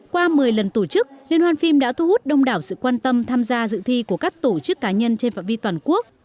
qua một mươi lần tổ chức liên hoan phim đã thu hút đông đảo sự quan tâm tham gia dự thi của các tổ chức cá nhân trên phạm vi toàn quốc